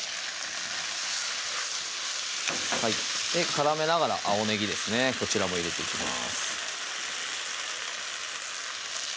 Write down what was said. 絡めながら青ねぎですねこちらも入れていきます